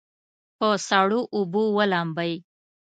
په سړو اوبو ولامبئ.